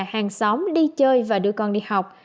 hàng xóm đi chơi và đưa con đi học